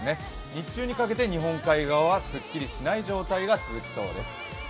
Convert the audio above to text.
日中にかけて日本海側はすっきりしない状態が続きそうです。